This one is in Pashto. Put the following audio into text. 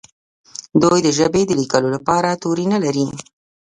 دوی د ژبې د لیکلو لپاره توري نه لري.